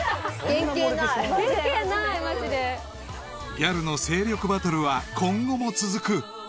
［ギャルの勢力バトルは今後も続く］